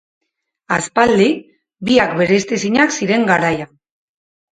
Aspaldi, biak bereiztezinak ziren garaian.